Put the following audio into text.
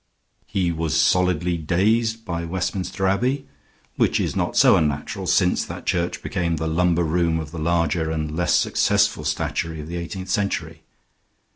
He was solidly dazed by Westminster Abbey, which is not so unnatural since that church became the lumber room of the larger and less successful statuary of the eighteenth century.